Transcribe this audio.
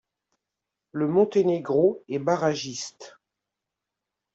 Le Monténégro est barragiste.